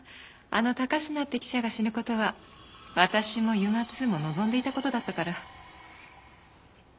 あの高階って記者が死ぬ事は私もＵＭＡ−Ⅱも望んでいた事だったから。